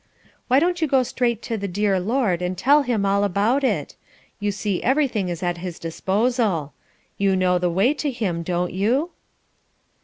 Why don't you go straight to the dear Lord and tell him all about it? You see everything is at his disposal. You know the way to him, don't you?"